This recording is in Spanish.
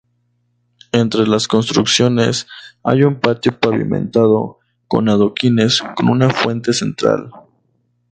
Entre las construcciones hay un patio pavimentado con adoquines con una fuente central.